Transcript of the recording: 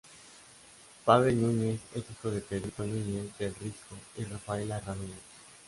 Pavel Núñez es hijo de Pedrito Núñez del Risco y Rafaela Ramírez.